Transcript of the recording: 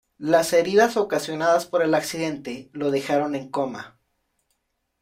Las heridas ocasionadas por el accidente lo dejaron en coma.